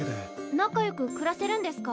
仲よく暮らせるんですか？